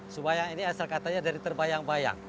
supaya ini asal katanya dari terbayang bayang